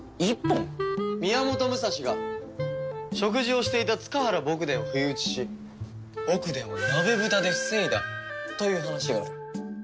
宮本武蔵が食事をしていた塚原卜伝を不意打ちし卜伝は鍋ぶたで防いだという話がある。